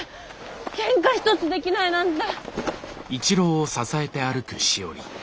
けんか一つできないなんて。